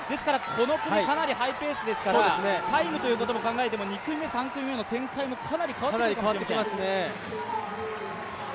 この組、かなりハイペースですからタイムということを考えても２組目３組目の展開もかなり変わってくるかもしれません。